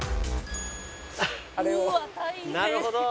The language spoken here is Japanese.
なるほど。